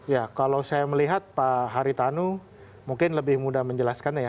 ya kalau saya melihat pak haritanu mungkin lebih mudah menjelaskannya ya